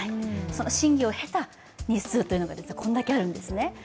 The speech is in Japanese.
その審議を経た日数というのがこれだけあるんですね。